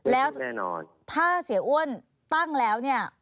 แล้วถ้าเสียอ้วนตั้งแล้วเนี่ย